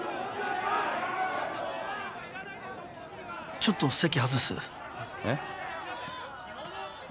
ちょっと席外す。えっ？